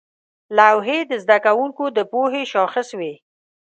لوحې د زده کوونکو د پوهې شاخص وې.